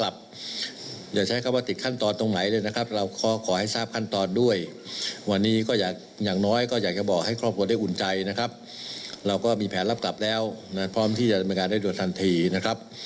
ฟังเสียงท่านนายกรัฐมนตรีของไทยค่ะ